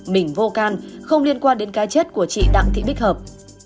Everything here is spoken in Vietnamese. mình vô can không liên quan đến cá chết của chị đặng thị bích hợp